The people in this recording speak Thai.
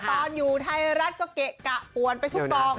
ตอนอยู่ไทยรัฐก็เกะกะป่วนไปทุกกอง